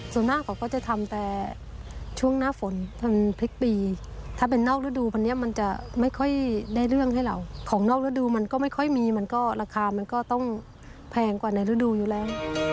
ส่วนมากเขาก็จะทำแต่ช่วงหน้าฝนมันพลิกปีถ้าเป็นนอกฤดูวันนี้มันจะไม่ค่อยได้เรื่องให้เราของนอกฤดูมันก็ไม่ค่อยมีมันก็ราคามันก็ต้องแพงกว่าในฤดูอยู่แล้ว